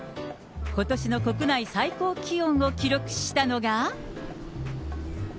ことしの国内最高気温を記録したのが。